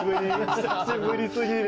久しぶりすぎる。